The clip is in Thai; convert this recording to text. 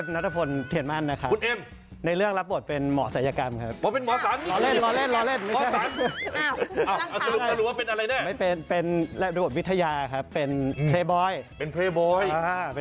น่ะสวยชาติน่าจะคำน่าสวยชาตินี้